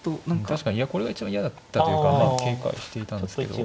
確かにこれが一番嫌だったというかまあ警戒していたんですけど。